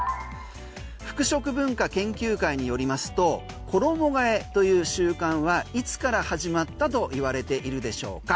服飾文化研究会によりますと衣替えという習慣はいつから始まったといわれているでしょうか？